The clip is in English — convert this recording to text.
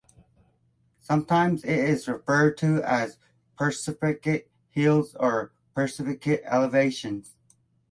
Sometimes it is referred to as Pechersk Hills or Pechersk Elevation.